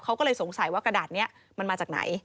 เขาก็เลยสงสัยว่ากระดาษนี้มันมาจากไหน